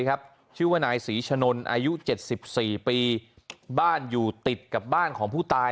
ชื่อว่านายศรีชนนอายุ๗๔ปีบ้านอยู่ติดกับบ้านของผู้ตาย